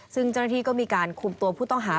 ซึ่งเจ้าหน้าที่ก็มีการคุมตัวผู้ต้องหา